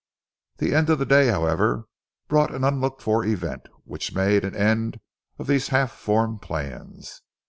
The end of the day, however, brought an unlooked for event, which made an end of these half formed plans.